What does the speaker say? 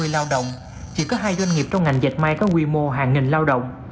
năm mươi lao động chỉ có hai doanh nghiệp trong ngành dạch máy có quy mô hàng nghìn lao động